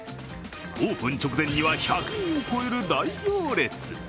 オープン直前には１００人を超える大行列。